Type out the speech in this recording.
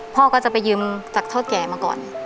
พ่อก็จะไปยืมจากเท่าแก่มาก่อน